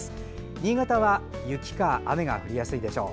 新潟は、雪か雨が降りやすいでしょう。